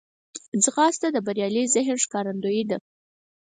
ځغاسته د بریالي ذهن ښکارندوی ده